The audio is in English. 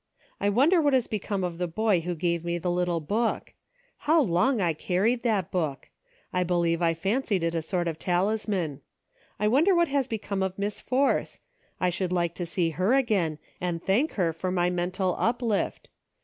I wonder what is become of the boy who gave me the little book .• How long I carried that book ! I believe I fancied it a sort of talisman. I wonder what has become of Miss Force .• I should like to see her again, and thank her for my mental uplift.